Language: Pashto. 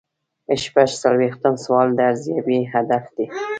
شپږ څلویښتم سوال د ارزیابۍ هدف دی.